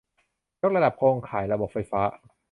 ยกระดับโครงข่ายระบบไฟฟ้า